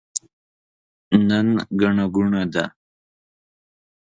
نن ګڼه ګوڼه ده.